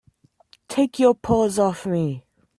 Take your paws off me!